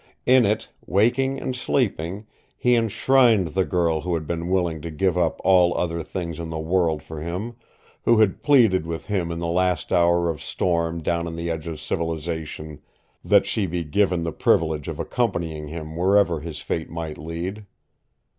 In it, waking and sleeping, he enshrined the girl who had been willing to give up all other things in the world for him, who had pleaded with him in the last hour of storm down on the edge of civilization that she be given the privilege of accompanying him wherever his fate might lead.